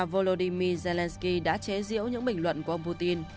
volodymyr zelensky đã chế diễu những bình luận của ông putin